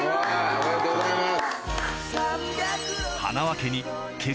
ありがとうございます！